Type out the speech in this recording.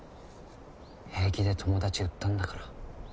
平気で友達売ったんだから。